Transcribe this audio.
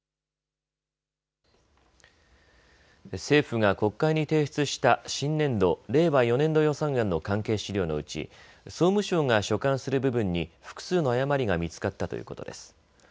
政府が国会に提出した新年度・令和４年度予算案の関係資料のうち、総務省が所管する部分に複数の誤りが見つかったということです。